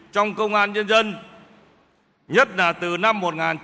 trong công an nhân dân nhất là từ năm một nghìn chín trăm chín mươi năm